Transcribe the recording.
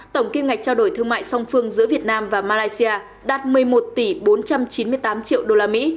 tổng kim ngạch trao đổi thương mại song phương giữa việt nam và malaysia đạt một mươi một tỷ bốn trăm chín mươi tám triệu usd